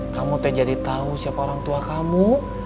kamu tuh jadi tahu siapa orang tua kamu